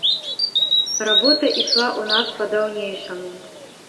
Работа ішла ў нас па-даўнейшаму.